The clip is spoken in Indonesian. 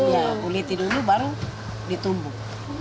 ya kuliti dulu baru ditumbuk